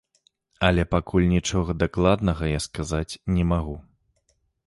Але пакуль нічога дакладнага я сказаць не магу.